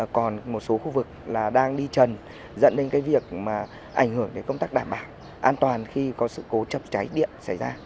còn một số khu vực đang đi trần dẫn đến việc ảnh hưởng đến công tác đảm bảo an toàn khi có sự cố chập cháy điện xảy ra